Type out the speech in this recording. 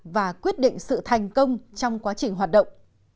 và quyết định sự thành công trong quá trình hoạt động